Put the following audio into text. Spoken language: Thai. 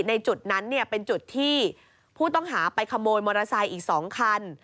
ในจุดนั้นเป็นจุดที่ผู้ต้องหาไปขโมยมอเตอร์ไซค์อีก๒คัน